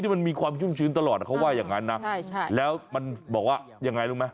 มันบอกว่าอย่างไรรู้ไหม